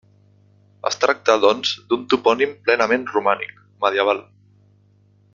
Es tracta, doncs, d'un topònim plenament romànic, medieval.